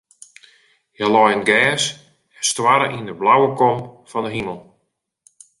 Hja lei yn it gjers en stoarre yn de blauwe kom fan de himel.